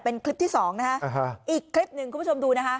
เป็นคลิปที่สองนะฮะอีกคลิปหนึ่งคุณผู้ชมดูนะคะ